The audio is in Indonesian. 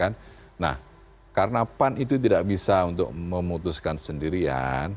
nah karena pan itu tidak bisa untuk memutuskan sendirian